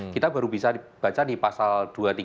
kita baru bisa baca di pasal